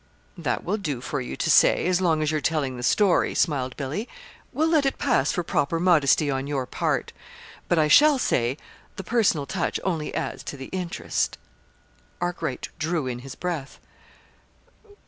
"That will do for you to say, as long as you're telling the story," smiled Billy. "We'll let it pass for proper modesty on your part. But I shall say the personal touch only adds to the interest." Arkwright drew in his breath.